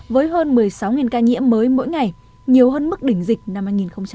với hơn một mươi sáu ca nhiễm mới mỗi ngày nhiều hơn mức đỉnh dịch năm hai nghìn một mươi tám